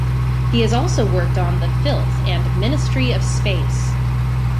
He has also worked on "The Filth" and "Ministry of Space".